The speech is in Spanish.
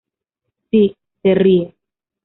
Sí, se ríe.